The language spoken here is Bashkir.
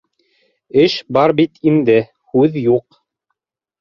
Эш бара бит инде, һүҙ юҡ.